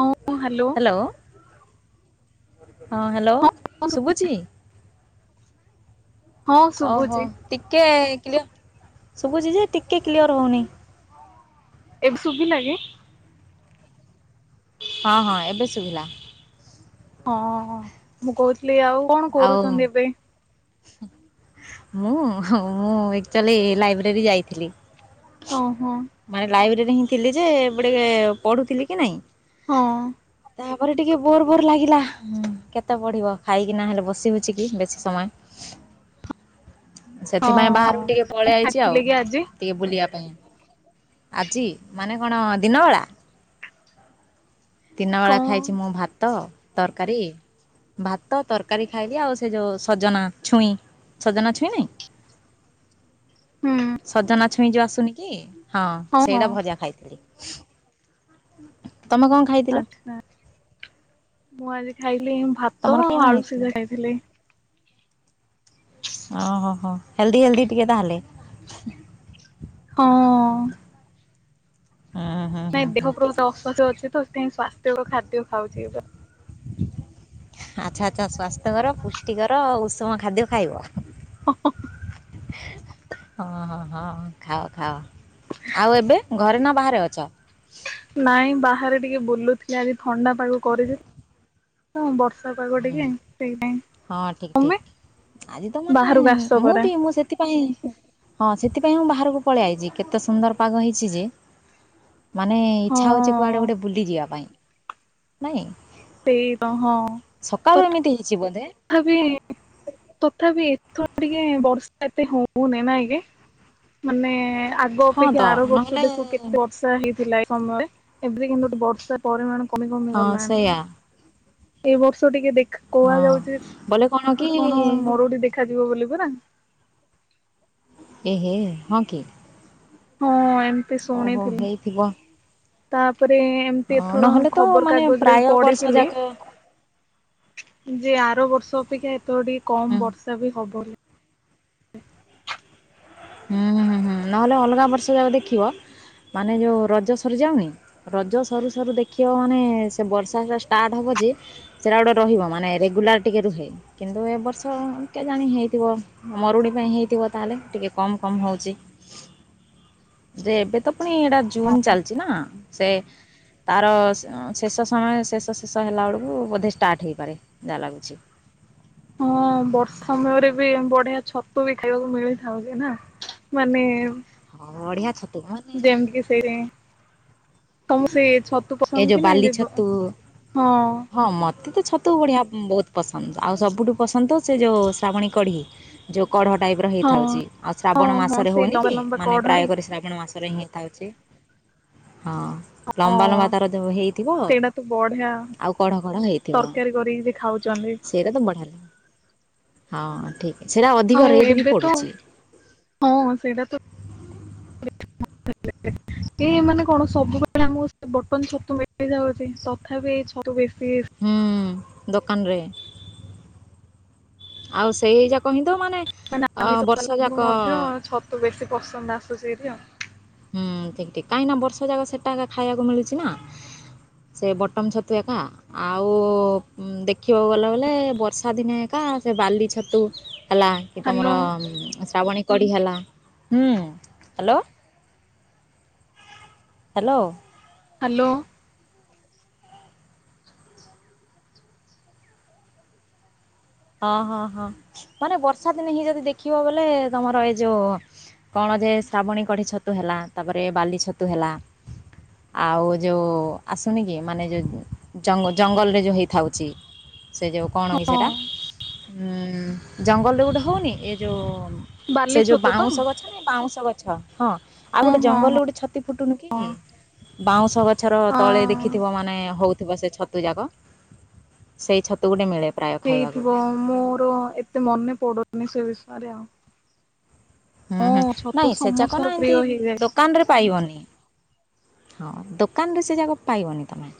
ହଁ ହଁ ହାଲୋ। ଲୋ ହଁ ହ୍ୟାଲୋ ଶୁଭୁଛି? ହଁ ଓହୋ, ଶୁଭୁଛି ଟିକେ କ୍ଲିଅ ସୁଭୁଛି ଯେ ଟିକେ କ୍ଲିଅର୍ ହଉନି। ଏବେ ଶୁଭିଲା କି? ହଁ ହଁ ଏବେ ଶୁଭିଲା। ହଁ ମୁଁ କହୁଥିଲି ଆଉ କଣ କରୁଚନ୍ତି ଏବେ? ହୁଁ, ମୁଁ ହୁ ମୁଁ ଏକ୍ଚଲି ଲାଇବ୍ରେରୀ ଯାଇଥିଲି। ଓ ହଁ। ମାନେ ଲାଇବ୍ରେରୀରେ ହିଁ ଥିଲି ଯେ ଏବେ ଟିକେ ପଢୁଥିଲି କି ନାଇଁ। ହଁ। ତା ପରେ ଟିକେ ବୋର୍ ବୋର୍ ଲାଗିଲା କେତେ ପଢ଼ିବ। ଖାଇକି ନା ହେଲେ ବସି ହଉଛି କି ବେଶୀ ସମୟ? ସେଥିପାଇଁ ହଁ ବାହାରକୁ ଟିକେ ପଳେଇ ଆଇଛି ଖାଇଥିଲେ ଆଉ। କି ଆଜି ଟିକେ ବୁଲିବା ପାଇଁ। ଆଜି ମାନେ କଣ ଦିନବେଳା? ଦିନ ବେଳା କଣ? ଖାଇଛି ମୁଁ ଭାତ ତରକାରୀ। ଭାତ ତରକାରୀ ଖାଇଲି ଆଉ। ସେ ଯୋଉ ସଜନା ଛୁଇଁ ସଜନା ଛୁଇଁ ନାଇଁ? ହୁଁ ସଜନା ଛୁଇଁ ଯୋଉ ଆସୁନି କି ହଁ ସେଇଟା ଭଜା ଖାଇଥିଲି। ତୋମେ କଣ ଖାଇଥିଲ ଆଚ୍ଛା, ମୁଁ ଆଜି ଖାଇଲି ତମର ଭାତ ଆଉ କଣ ଆଳୁ ହେଇଥିଲା? ସିଝା ଖାଇଥିଲି। ଓ ହୋ ହୋ। ହେଲ୍ଦି ହେଲ୍ଦି ଟିକେ ତାହଲେ? ହଁ। ହଁ। ନାଇଁ ଦେହ ବହୁତ ଅସୁସ୍ଥ ଅଛି ତ ସେଥିପାଇଁ ସ୍ୱାସ୍ଥ୍ୟକର ଖାଦ୍ୟ ଖାଉଛି ଏବେ। ଆଚ୍ଛା ଆଚ୍ଛା ସ୍ଵାସ୍ଥ୍ୟକର ପୁଷ୍ଟିକର ଆଉ‌ ଉଷୁମ ଖାଦ୍ୟ ଖାଇବ। ହଁ, ହଁ। ହଁ, ହଁ, ହଁ ଖାଅ ଖାଅ। ଆଉ ଏବେ ଘରେ ନ ବାହାରେ ଅଛ? ନାଇଁ ବାହାରେ ଟିକେ ବୁଲୁଥିଲି ଆଜି ଥଣ୍ଡା ପାଗ କରିଛି ତ ବର୍ ଷା ପାଗ ହୁଁ ଟିକେ ସେଇପାଇଁ। ହଁ ଠିକ ଠିକ ଆଜି ତ ମାନେ ବାହାରକୁ ଆସ ମୁଁ ପରା ବି ମୁଁ ସେଥିପାଇଁ ହଁ ସେଥିପାଇଁ ମୁଁ ବାହାରକୁ ପଳେଇଆଇଚି କେତେ ସୁନ୍ଦର ପାଗ ହେଇଛି ଯେ। ମାନେ ଇଚ୍ଛା ହଉଚି କୁଆଡେ ହଁ। ଗୋଟେ ବୁଲି ଯିବା ପାଇଁ ନାଇଁ। ସେଇ ତ ହଁ। ସକାଳୁ ଏମିତି ହେଇଚି ବୋଧେ। ତଥାପି ତଥାପି ଏଥର ଟିକେ ବର୍ଷା ଏତେ ହୋଉନି ନାଇଁକି? ମାନେ ଆଗ ହଁ ତ ଅପେକ୍ଷା ଆର ବର୍ଷ ନହେଲେ ଦେଖ କେତେ ବର୍ଷା ହେଇଥିଲା ଏ ସମୟରେ ଏବେ କିନ୍ତୁ ବର୍ଷା ପରିମାଣ କମି କମି ହଁ ଗଲାଣି। ସେଇଆ ଏ ବର୍ଷ ଟିକେ ଦେଖା ହଁ କୁହାଯାଉଛି ବୋଲେ କି କଣ ମରୁଡି ଦେଖାଯିବ ବୋଲି ପରା। ଏ ହେ ହଁ କି? ହଁ ଏମତି ଓହୋ ଶୁଣିଥିଲି ହେଇଥିବ ତାପରେ ଅ, ଏମତି ଏଥର ନହେଲେ ତ ଖବର ମାନେ କାଗଜରେ ପ୍ରାୟ ବି ବର୍ଷ ପଢିଥିଲି। ଯାକ ଯେ ଆର ବର୍ଷ ଅପେକ୍ଷା ଏଥର ଟିକେ କମ ହୁଁ ବର୍ଷା ବି ହବ। ବୋଲି। ହୁଁ ହୁଁ ହୁଁ ନହେଲେ ଅଲଗା ବର୍ଷେ ଦେଖିବ ମାନେ ଯୋଉ ରଜ ସରିଯାଉନି ରଜ ସରୁ ସରୁ ଦେଖିବ ମାନେ ସେ ବର୍ଷା ହେବା ଷ୍ଟାର୍ଟ ହବ ଯେ ସେଇଟା ଗୋଟେ ରହିବ ମାନେ ରେଗୁଲାର ଟିକେ ରୁହେ। କିନ୍ତୁ ଏ ବର୍ଷ କେଜାଣି ହେଇଥିବ ମରୁଡି ପାଇଁ ହେଇଥିବ ତାହେଲେ ଟିକେ କମ୍ କମ୍ ହୋଉଚି। ଯେ ଏବେ ତ ପୁଣି ଏଟା ଜୁନ ଚାଲିଛି ନା ସେ ତାର ଶେଷ ସମୟ ଶେଷ ଶେଷ ହେଲା ବେଳକୁ ବୋଧେ ଷ୍ଟାର୍ଟ ହେଇପାରେ ଯାହା ଲାଗୁଚି। ହଁ ବର୍ଷା ମେୟରେ ବି ବଢିଆ ଛତୁ ବି ଖାଇବାକୁ ମିଳିଥାଉ ଯେ ନାଁ। ମାନେ ବଢିଆ ଛତୁ ଭ [unintelligible] ତମକୁ ସେ ଛତୁ ହେ ପସନ୍ଦ ଯୋ କି ବାଲି ନାଇଁ ଛତୁ ହଁ ହଁ ମତେ ତ ଛ ତୁ ବଢ଼ିଆ ବହୁତ୍ ପସନ୍ଦ ଆଉ ସବୁଠୁ ପସନ୍ଦ ତ ସେ ଯୋଉ ଶ୍ରାବଣୀ କଢ଼ି। ଯୋଉ କଢ଼ ଟାଇପ୍ ର ହଁ ହେଇଥାଏ ଛି ଆଉ ହଁ ଶ୍ରାବଣ ହଁ ମାସରେ ସେଇ ହଉନି ଲମ୍ବା କି ଲମ୍ବା ମାନେ ପ୍ରାୟ କଢରେ କରି ଶ୍ରାବଣ ମାସ ରେ ହିଁ ଥାଉଚି ହଁ। ହଁ ଲମ୍ବା ଲମ୍ବା ତାର ଯୋଉ ହେଇଥିବ ସେଇଟା ତ ବଢିଆ ଆଉ କଢ଼ କଢ଼ ହେଇଥିବ। ତରକାରୀ କରିକି ବି ଖାଉଚନ୍ତି। ସେଇଟା ତ ବଢିଆ ହେଲା ହଁ ଠିକ୍ ସେଟା ଆଉ ଅଧିକ ରେଟ୍ ବି ଏବେ ତ ପଡୁଛି। ହଁ ସେଇଟା ତ ହ [unintelligible] ଏଇ ମାନେ କଣ ସବୁବେଳେ ଆମକୁ ସେ ବଟନ୍ ଛତୁ ମିଳି ଯାଉଚି ତଥାପି ଏଇ ଛତୁ ବେଶୀ ହୁଁ ଦୋକାନରେ। ଆଉ ସେଇ ଯାକ ହିଁ ତ ମାନେ ଅ ବର୍ଷା ଯାକ। ତୁ ବେଶୀ ପସନ୍ଦ ଆସୁଚି [unintelligible] ହୁଁ ଠିକ୍ ଠିକ୍ କାହିଁକି ନା ବର୍ଷ ଯାକ ସେଟା ଖା-ଖାଇବାକୁ ମିଳୁଚି ନା। ସେ ବଟମ ଛତୁ ଏକା। ଆଉ ଦେଖିବାକୁ ଗଲା ବଲେ ବର୍ଷା ଦିନେ ଏକା ସେ ବାଲି ଛତୁ ହେଲା ଇ ହ୍ୟାଲୋ ତମର ଶ୍ରାବଣୀ କଢି ହେଲା। ହୁଁ ହାଲୋ। ହାଲୋ। ହାଲୋ। ହଁ ହଁ ହଁ ମାନେ ବର୍ଷା ଦିନେ ହିଁ ଯଦି ଦେଖିବ ବୋଲେ ତମର ଏଇ ଯୋଉ କଣ ଯେ ଶ୍ରାବଣୀ କଢି ଛତୁ ହେଲା ତାପରେ ବାଲି ଛତୁ ହେଲା। ଆଉ ଯୋଉ ଆସୁନି କି ମାନେ ଯୋଉ ଜଙ୍ଗଲ ଜଙ୍ଗଲରେ ଯୋଉ ହେଇଥାଉଛି। ସେ ଯୋଉ କଣ କି ହଁ ସେଟା? [unintelligible] ଜଙ୍ଗଲରେ ଗୋଟେ ହଉନି ଏ ଯୋଉ ବାଲି ସେ ଯୋଉ ଛତୁ ତ ବାଉଁଶ ଗଛ ବାଉଁଶ ଗଛ ହଁ ଆଉ ହଁ ଗୋଟେ ହଁ ଜଙ୍ଗଲରେ ଗୋଟେ ଛତି ଫୁଟୁନୁ ହଁ କି। ବାଉଁଶ ଗଛର ତଳେ ଦେଖି ହଁ ଥିବ ମାନେ ହଉଥିବ ସେ ଛତୁ ଯାକ ସେଇ ଛତୁ ଗୋଟେ ମିଳେ। ପ୍ରାୟ ଖାଇବାକୁ ହେଇଥିବ ମୋର ଏତେ ମନେ ପଡୁନି ସେ ବିଷୟରେ ଆଉ। ହୁଁ ହଁ ହୁଁ ଛତୁ ନାଇଁ ସେ ଯାକ ସମସ୍ତଙ୍କର ନା ପ୍ରିୟ ଏମିତି ଦୋ ହେଇଯାଇଛି। କାନରେ ପାଇବନି ହଁ ଦୋକାନରେ ସେ ଯାକ ପାଇବନି ତମେ।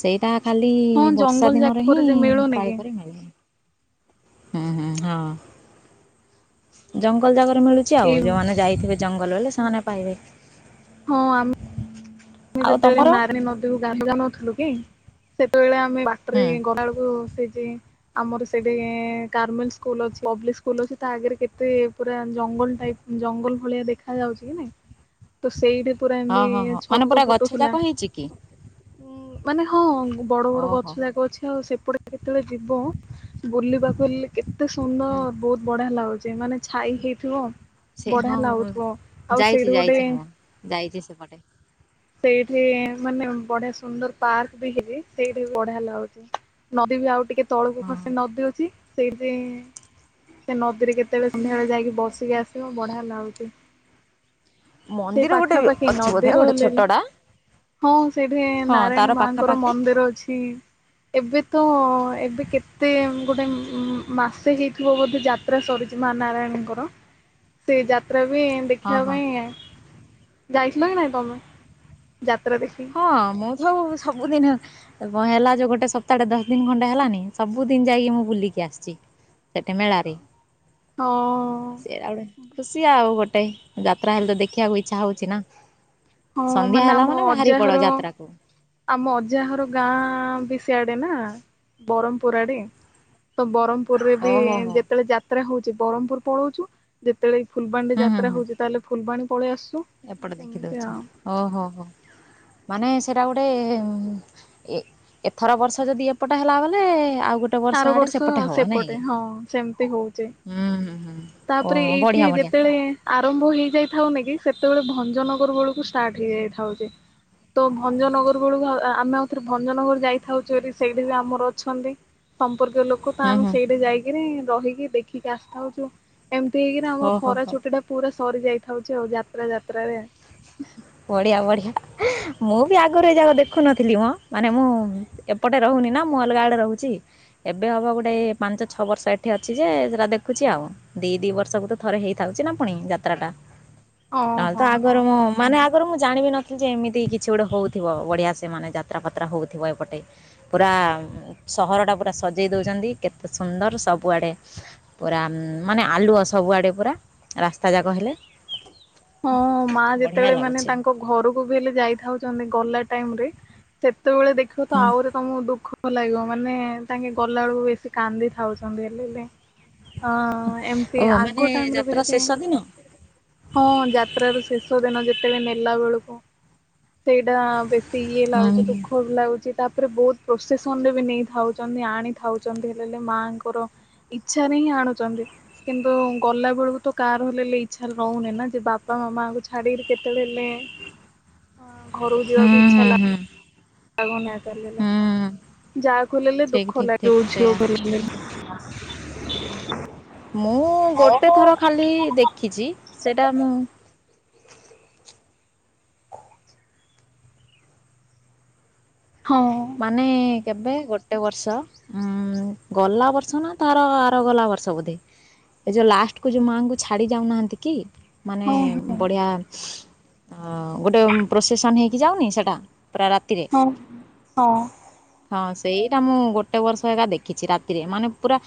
ସେଇଟା ଖାଲି ହଁ ବର୍ଷା ଜଙ୍ଗଲ ଦିନରେ ହିଁ ଜାକରେ ଯେ ମିଳୁନି ପ୍ରାୟ କି କରି ମିଳେ। ହୁଁ ହୁଁ ହଁ ଜଙ୍ଗଲ ଜାଗାରେ ମିଳୁଚି ଆଉ ଏଇ ଯୋଉମାନେ ଯାଇଥିବେ ଜଙ୍ଗଲ ବଲେ ସେମାନେ ପାଇବେ। ହଁ ଆମ୍ ଆମେ ଆଉ ଯେତେବେଳେ ତମର ନାରୀଣୀ ନଦୀକୁ ଗାଧଉ ଯାଉ ନଥିଲୁ କି ସେତେବେଳେ ଆମେ ବାଟରେ ହୁଁ। ଗାଲା ବୁଳୁକୁ ସେ ଜିଂ ଆମର ସେଠେ [unintelligible] ସ୍କୁଲ ଅଛି ପବ୍ଲିକ ସ୍କୁଲ ଅଛି ତା ଆଗରେ କେତେ ପୁରା ଜଙ୍ଗଲ ଟାଇପ୍ ଜଙ୍ଗଲ ଭଳିଆ ଦେଖା ଯାଉଛି କି ନାଇଁ ତ ସେଇଠେ ପୁରା ହଁ ହଁ ଏମିତି ହଁ ମାନେ ଛତୁ ପୁରା ଗଛ ଫୁଟୁଥିଲା ଯାକ ହେଇଛି କି? ଉ ମାନେ ହଁ ବଡ ବଡ ଓହୋ ଗଛ ହୋ ଯାକ ଅଛି ଆଉ ସେପଟେ କେତେବେଳେ ଯିବ। ବୁଲିବାକୁ ହେଲେ କେତେ ହୁଁ ସୁନ୍ଦର ବହୁତ ବଢିଆ ଲାଗୁଚି ମାନେ ଛାଇ ହେଇଥିବ। ସେ ହଁ ବଢିଆ ମୁଁ ଲାଗୁଥିବ ଆଉ ସେଇଠି ଗୋଟେ ଯାଇଜି ସେପଟେ। ସେଇଠି ମାନେ ବଢିଆ ସୁନ୍ଦର ପାର୍କ ବି [inaudible] ସେଇଠି ବି ବଢିଆ ଲାଗୁଚି। ନଦୀ ବି ଆଉ ଟିକେ ତଳକୁ ହଁ। ଖସେ ନଦୀ ଅଛି ସେଇଠି ସେ ନଦୀରେ କେତେବେଳେ ସନ୍ଧ୍ୟା ବେଳେ ଯାଇକି ବସିକି ଆସିବ ବଢିଆ ଲାଗୁଚି। ସେ ମନ୍ଦିର ଗୋଟେ ବି ପାଖାପାଖି ଅଛି ବୋଧେ ନଦୀରୁ ଗୋଟେ ହେଲେନେ ଛୋଟଟା ହଁ ସେଇଠେ ହଁ ତାର ନାରାୟଣୀ ମାଙ୍କର ପାଖାପାଖି ମନ୍ଦିର ଅଛି। ଏବେ ତ ଏବେ କେତେ ଗୋଟେ ମାସେ ହେଇଥିବ ବୋଧେ ଯାତ ଯାତ୍ରା ସରୁଛି ମା ନାରାୟଣି ଙ୍କର ସେ ଯାତ୍ରା ବି ହଁ ଦେଖିବା ହଁ ପାଇଁ ଆ ଯାଇଥିଲ କି ନାଇଁ ତମେ ଯାତ୍ରା ଦେଖି। ହଁ ମୁଁ ତ ଆଉ ସବୁଦିନେ ହେଲା ଯୋଉ ଗୋଟେ ସପ୍ତାହଟେ ଦଶ ଦିନ ଖଣ୍ଡେ ହେଲାନି ସବୁ ଦିନ ଯାଇକି ମୁଁ ବୁଲିକି ଆସିଚି। ସେଠେ ମେଳାରେ। ହଁ ସେଇଟା ଗୋଟେ ଖୁସି ଆଉ ଗୋଟେ ଯାତ୍ରା ହେଲେ ତ ଦେଖିବାକୁ ଇଚ୍ଛା ହଉଚି ନା। ହଁ ସନ୍ଧ୍ୟା ଆମ ହେଲା ମାନେ ବାହାରି ଅଜାଘର ପଡ ଯାତ୍ରା କୁ। ଆମ ଅଜା ହର ଗାଁ ବି ସିଆଡେ ନା ବ୍ରହ୍ମପୁର ଆଡେ। ତ ବ୍ରହ୍ମପୁରରେ ବି ଓହୋ ହୋ ଯେତେବେଳେ ଯାତ୍ରା ହଉଚି ବ୍ରହ୍ମପୁର ପଳଉଚୁ ଯେତେବେଳେ ଫୁଲବାଣୀରେ ହୁଁ ହୁଁ ଯାତ୍ରା ହୁଁ। ହଉଛି ତାହେଲେ ଫୁଲବାଣୀ ପଳେଇ ଆସୁ। ଓହୋ ହୋ ମାନେ ସେଟା ଗୋଟେ। ଇ ଏଥର ବର୍ଷ ଯଦି ଏପଟେ ହେଲା ବଲେ ଆଉ ଗୋଟେ ତା ଆର ଆଡେ ବର୍ଷ ସେପଟେ ହବ ନାଇଁ କି? ସେପଟେ ହଁ ସେମିତି ହଉଛି। ହୁଁ ହୁଁ ହୁଁ। ଓ ତାପରେ ଏଇଠେ ବଢିଆ ବଢିଆ ଯେତେବେଳେ ଆରମ୍ଭ ହେଇ ଯାଇଥାଉନ କି ସେତେବେଳେ ଭଞ୍ଜନଗର ବୁଳୁକୁ ଷ୍ଟାର୍ଟ ହେଇଯାଇଥାଉ ଯେ। ତ ଭଞ୍ଜନଗର ବେଳକୁ ଆମେ ଆଉଥରେ ଭଞ୍ଜନଗର ଯାଇଥାଉଛୁ [unintelligible] ସେଇଠି ବି ଆମର ଅଛନ୍ତି। ସମ୍ପର୍କୀୟ ଲୋକ। ଲୋକ ତ ହୁଁ ଆମେ ହୁଁ ସେଇଠି ଯାଇକିରି ରହିକି ଦେଖିକି ଆସିଥାଉଛୁ ଏମିତି ହେଇକିରି ଓ ଆମର ହୋ ଖରା ହୋ ଛୁଟିଟା ପୁରା ସରି ଯାଇଥାଉଛି ଆଉ ଯାତ୍ରା ଯାତ୍ରାରେ। ବଢିଆ ବଢିଆ। ମୁଁ ବି ଆଗରୁ ଏ ଯାକ ଦେଖୁନଥିଲି ମଁ ମାନେ ମୁଁ ଏପଟେ ରହୁନି ନା ମୁଁ ଅଲଗା ଆଡେ ରହୁଛି। ଏବେ ହେବ ଗୋଟେ ପାଞ୍ଚ ଛଅ ବର୍ଷ ଏଠି ଅଛି ଯେ ସେଟା ଦେଖୁଛି ଆଉ। ଦି ଦି ବର୍ଷକୁ ତ ଥରେ ହେଇଥାଉଛି ନା ପୁଣି ଯାତ୍ରା ଟା ଓ ନହେଲେ ତ ହଁ ହଁ। ଆଗରୁ ମୁଁ। ମାନେ ଆଗରୁ ମୁଁ ଜାଣିବି ନଥିଲି ଯେ ଏମିତି କିଛି ଗୋଟେ ହଉଥିବ ବଢିଆ ସେ ମାନେ ଯାତ୍ରା ପାତ୍ରା ହଉଥିବ ଏପଟେ। ପୁରା ସହରଟା ପୁରା ସଜେଇ ଦେଉଛନ୍ତି କେତେ ସୁନ୍ଦର ସବୁଆଡ଼େ। ପୁରା ମାନେ ଆଲୁଅ ସବୁଆଡ଼େ ପୁରା ରାସ୍ତା ଯାକ ହେଲେ। ହଁ ମା ବଢ଼ିଆ ଯେତେବେଳେ ମାନେ ଲାଗୁଛି ତାଙ୍କ ଘରକୁ ବି ହେଲେ ଯାଇଥାଉଛନ୍ତି ଗଲା ଟାଇମ ରେ। ସେତେବେଳେ ଦେଖିବ ତ ହୁଁ ଆହୁରି ତମକୁ ଦୁଃଖ ଲାଗିବ ମାନେ ତାଙ୍କେ ଗଲା ବେଳକୁ ବେଶୀ କାନ୍ଦି ଥାଉଛନ୍ତି ହେଲେ ହେଲେ। ହଁ ଓ ଏମତି ମାନେ ଆଗ ଟାଇମରେ ଯାତ୍ରା ବେଶୀ। ଶେଷ ଦିନ ହଁ ଯାତ୍ରାର ଶେଷ ଦିନ ଯେତେବେଳେ ନେଲା ବେଳକୁ ସେଇଟା ବେଶୀ ଇଏ ହୁଁ ଲାଗୁଛି ହୁଁ ଦୁଃଖ ବି ଲାଗୁଛି ତାପରେ ବହୁତ ପ୍ରୋସେସନରେ ବି ନେଇ ଥାଉଛନ୍ତି ଆଣି ଥାଉଛନ୍ତି ହେଲେଲେ ମାଆଙ୍କର ଇଚ୍ଛାରେ ହିଁ ଆଣୁଛନ୍ତି କିନ୍ତୁ ଗଲା ବେଳକୁ ତ କାର ହେଲେ ହେଲେ ଇଛା। ରହୁନି ନା ଯେ ବାପା ମାମାଙ୍କୁ ଛାଡି କେତେବେଳେ ହେଲେ। ହଁ ଘରକୁ ଯିବାକୁ ଇଚ୍ଛା ହୁଁ ଲାଗୁନି ହେଲେ। ହୁଁ ଯାହାକୁ ଲେଲେ ଠିକ୍ ଦୁଃଖ ଠିକ୍ ଲାଗେ ଠିକ୍ ଝିଅ ସେଇୟା ଘର ହେଲେ। ମୁଁ ଗୋଟେ ଥର ଖାଲି ଦେଖିଛି ସେଟା ମୁଁ। ହଁ। ମାନେ କେବେ ଗୋଟେ ବର୍ଷ। ଉଁ ଗଲା ବର୍ଷ ନା ତାର ଆର ଗଲା ବର୍ଷ ବୋଧେ। ଏ ଯୋଉ ଲାଷ୍ଟ କୁ ଯୋଉ ମାଆଙ୍କୁ ଛାଡି ଯାଉନାହାନ୍ତି କି ମାନେ ହଁ ହଁ ବଢିଆ। ହ ଗୋଟେ ପ୍ରୋସେସନ୍ ହେଇକି ଯାଉନି ସେଇଟା ପୁରା ରାତିରେ। ହଁ ହଁ। ହଁ ସେଇଟା ମୁଁ ଗୋଟେ ବର୍ଷ ଏକା ଦେଖିଛି ରାତିରେ ମାନେ ପୁରା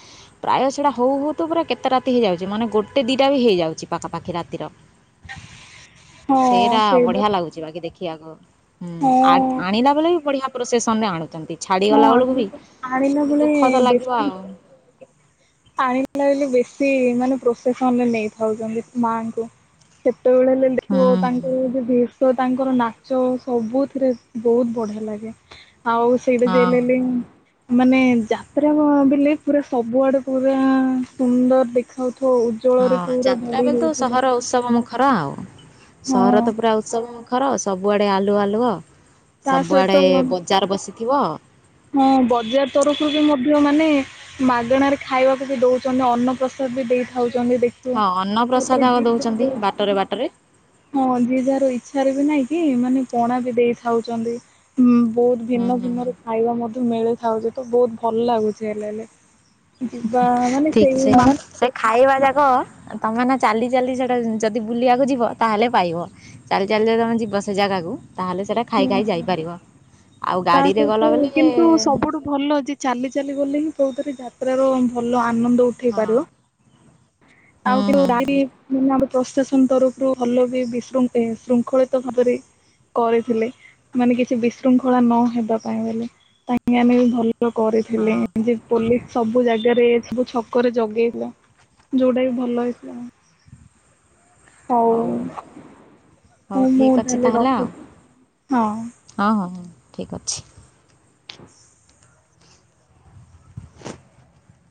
ପ୍ରାୟ ସେଇଟା ହଉ ହଉ ତୁ ପୁରା କେତେ ରାତି ହେଇଯାଉଛି ମାନେ ଗୋଟେ ଦିଟା ବି ହେଇଯାଉଛି ପାଖାପାଖି ରାତିର। ସେଇଟା ବଢ଼ିଆ ଲାଗୁଛି। ଯିବା କି ଦେଖିବାକୁ ହୁଁ ହଁ ଆଣି ଆଣିଲା ବେଳକୁ ବି ବଢିଆ ପ୍ରସେସନ ରେ ଆଣୁଛନ୍ତି। ହଁ ଛାଡ଼ିଗଲା ବେଳକୁ ବି ଆଣିଲା ବେଳେ ଦୁଃଖ ତ ଲାଗିବ ବେଶୀ ଆଉ। ଆଣିଲା ବେଳେ ବେଶୀ ମାନେ ପ୍ରୋସେସନରେ ନେଇଥାଉଛନ୍ତି ମାଙ୍କୁ। କେତେବେଳେ ହେଲେ ହୁଁ ଦେଖିବ ତାଙ୍କୁ ଯଦି ତ ତାଙ୍କର ନାଚ ସବୁଥିରେ ବହୁତ ବଢିଆ ଲାଗେ। ଆଉ ସେଇଟା ଯିଏ ହଁ ହେଲେ ହେଲେ ହିଁ ମାନେ ଯାତ୍ରା ବଲେ ପୁରା ସବୁଆଡେ ପୁରା ସୁନ୍ଦର ଦେଖାଯାଉଥିବ ଉଜ୍ଜ୍ୱଳରେ ହଁ ପୁରା ଯାତ୍ରା ଭରି ବେଳେ ତ ହେଉଥିବ। ସହର ଉତ୍ସବ ମୁଖ। ଖର ଆଉ ସହର ତ ପୁରା ଉତ୍ସବ ମୁଖର ସବୁଆଡ଼େ ଆଲୁଅ ଆଲୁଅ। ତା ସହିତ ସବୁଆଡେ ବଜାର ବସିଥିବ। ହଁ ବଜାର ତରଫରୁ ବି ମଧ୍ୟ ମାନେ ମାଗଣ ରେ ଖାଇବାକୁ ବି ଦଉଛନ୍ତି ଅନ୍ନ ପ୍ରସାଦ ବି ଦେଇଥାଉଛନ୍ତି ଦେଖ ହଁ ଅନ୍ନପ୍ରସାଦ ଦଉଛନ୍ତି ବାଟରେ ବାଟରେ। ହଁ ଯିଏ ଯାହାର ଇଚ୍ଛାରେ ବି ନାଇଁ କି ମାନେ ପଣା ବି ଦେଇଥାଉଛନ୍ତି। ହୁଁ ବହୁତ ହୁଁ ଭିନ୍ନ ହୁଁ ଭିନ୍ନ ହୁଁ ର ଖାଇବା ମଧ୍ୟ ମିଳିଥାଉଛି ତ ବହୁତ ଭଲ ଲାଗୁଛି ହେଲେ ହେଲେ। ଯିବା ମାନେ ଠିକ୍ ସେଇ ସେ ମା ସେ ଖାଇବା ମା ଯାକ ତମେ ନା ଚାଲି ଚାଲି ସେଟା ଯଦି ବୁଲିବାକୁ ଯିବ ତାହେଲେ ପାଇବ। ଚାଲି ଚାଲି ଯଦି ତମେ ଯିବ ସେ ଜାଗାକୁ ତାହଲେ ସେଟା ହୁଁ ଖାଇ ଖାଇ ଯାଇପାରିବ ଆଉ ତା ଗାଡ଼ିରେ ସହିତ ଗଲବଲେ କିନ୍ତୁ ସବୁଠୁ ଭଲ ଯେ ଚାଲି ଚାଲି ଗଲେ ହିଁ କୋଉଥିରେ ଯାତ୍ରାର ଭଲ ଆନନ୍ଦ ଉଠେଇ ହଁ ପାରିବ - ହୁଁ ଆଉ ହୁଁ ହୁଁ [inaudible] ନ ଆମେ ପ୍ରଶାସନ ତରଫରୁ ଭଲ ବି ବିଶୃଖ ଶୃଙ୍ଖଳିତ ଭାବରେ କରିଥିଲେ ମାନେ କିଛି ବିଶୃଙ୍ଖଳା ନହବା ପାଇଁ ବୋଲେ କାହିଁକି ଆମେ ବି ଭଲ କରିଥିଲେ ହଁ ଯେ ପୋଲିସ ସବୁ ଜାଗାରେ ସବୁ ଛକରେ ଜଗେଇଥିଲା। ଯୋଉଟା ବି ଭଲ ହେଇଥାଆନ୍ତା। ହଉ, ହଉ ମୁଁ ତାହଲେ ରଖୁଚି, ହଁ। ଅ ହଁ ହଁ ଠିକ୍ ଅଛି। [inaudible]